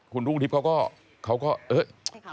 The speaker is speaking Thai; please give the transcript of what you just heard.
คุณรุ่งทิบเขาก็เขาก็เอ๊ะเห้ย